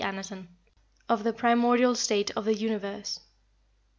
" OF THE PRIMORDIAL STATE OF THE UNIVERSE.